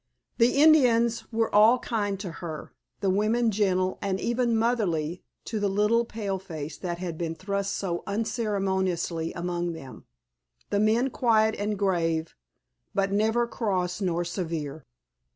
The Indians were all kind to her, the women gentle and even motherly to the little paleface that had been thrust so unceremoniously among them, the men quiet and grave, but never cross nor severe.